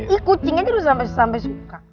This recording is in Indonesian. ih kucingnya tuh udah sampe sampe suka